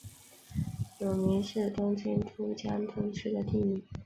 有明是东京都江东区的地名。